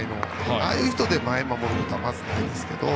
ああいう人で前を守ることはまずないですが。